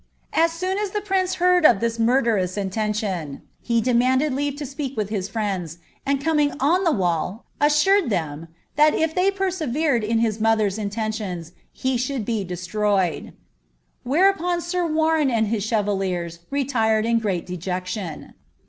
As soon as the prince heard of this murderous intention, he demanded leave to speak with his friends, and coming on the wall, assured them, ^ that if they persevered in his mother's intentions he vhould be destroyed." Whereupon sir Warren and his chevaliers retired in great dejection.